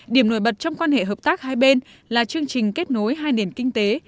điểm nổi bật trong quan hệ hợp tác hai bên là chương trình kết nối hai nền kinh tế